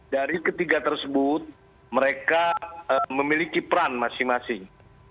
dari ketiga tersebut mereka memiliki peran masing masing